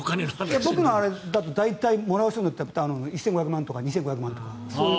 僕のあれだと大体、もらう人だと１５００万とか２５００万とか。